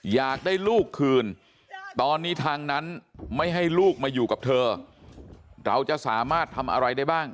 อยากได้ลูกคืนตอนนี้ทางนั้นไม่ให้ลูกมาอยู่กับเธอเราจะสามารถทำอะไรได้บ้าง